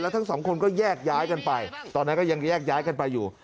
ทั้งสองคนก็แยกย้ายกันไปตอนนั้นก็ยังแยกย้ายกันไปอยู่